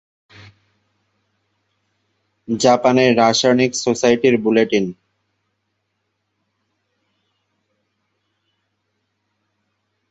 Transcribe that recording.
জাপানের রাসায়নিক সোসাইটির বুলেটিন।